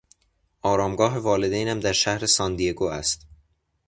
آرامگاه والدینم در شهر سان دیگو است.